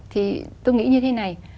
thì tôi nghĩ như thế này